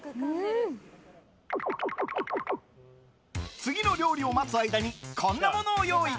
次の料理を待つ間にこんなものを用意。